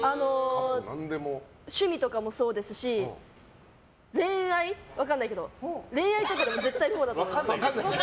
趣味とかもそうですし恋愛、分からないけど恋愛とかでも絶対こうだと思います。